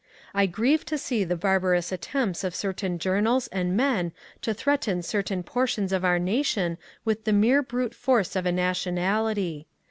I grieve to see the barbarous attempts of certain journals and men to threaten certain portions of our nation with the mere brute force of a nationality.